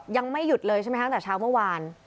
ยังไม่หยุดเลยใช่ไหมคะตั้งแต่เช้าเมื่อวาน